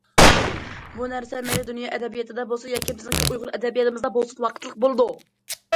بۇ نەرسە مەيلى دۇنيا ئەدەبىياتىدا بولسۇن ياكى بىزنىڭ ئۇيغۇر ئەدەبىياتىمىزدا بولسۇن ۋاقىتلىق بولىدۇ.